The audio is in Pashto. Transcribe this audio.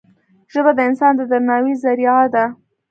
ژبه د انسان د درناوي زریعه ده